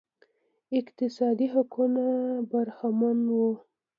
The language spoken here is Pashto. اقتصادي حقونو برخمن وو